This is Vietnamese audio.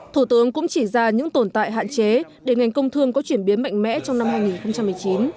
thủ tướng cũng chỉ ra những tồn tại hạn chế để ngành công thương có chuyển biến mạnh mẽ trong năm hai nghìn một mươi chín